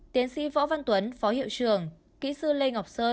tiến sĩ võ văn tuấn phó hiệu trường